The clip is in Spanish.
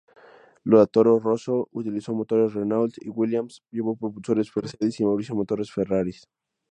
La Toro Rosso utilizó motores Renault, Williams llevó propulsores Mercedes y Marussia motores Ferrari.